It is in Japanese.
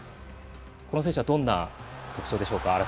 この選手はどんな特徴でしょうか。